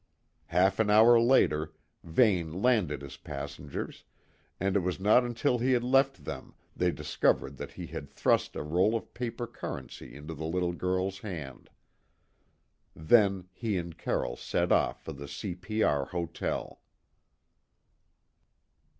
Half an hour later, Vane landed his passengers, and it was not until he had left them they discovered that he had thrust a roll of paper currency into the little girl's hand. Then he and Carroll set off for the C.P.R. hotel.